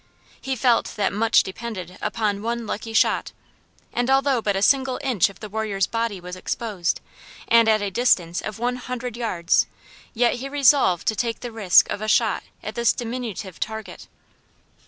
He felt that much depended upon one lucky shot, and although but a single inch of the warrior's body was exposed, and at a distance of one hundred yards, yet he resolved to take the risk of a shot at this diminutive target.